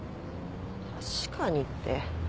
「確かに」って。